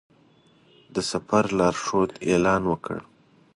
د سفر لارښود اعلان وکړ.